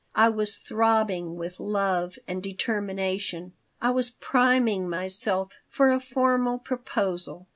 I was throbbing with love and determination. I was priming myself for a formal proposal.